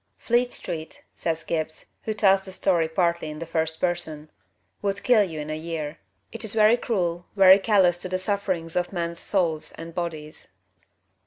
"Fleet Street," says Gibbs, who tells the story partly in the first person, "would kill you in a year it is very cruel, very callous to the sufferings of men's souls and bodies."